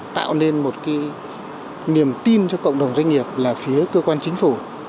tạo nên một niềm tin cho cộng đồng doanh nghiệp là phía cơ quan chính phủ